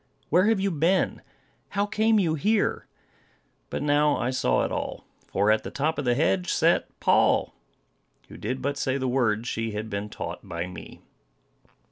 Where have you been? How came you here?" But now I saw it all; for at the top of the hedge sat Poll, who did but say the words she had been taught by me.